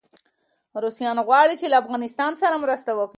روسان غواړي چي له افغانستان سره مرسته وکړي.